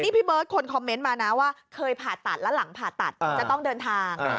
พี่เบิร์ตคนคอมเมนต์มานะว่าเคยผ่าตัดแล้วหลังผ่าตัดจะต้องเดินทาง